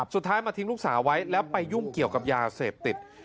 สุดท้ายมาทิ้งลูกสาวไว้แล้วไปยุ่งเกี่ยวกับยาเสพติด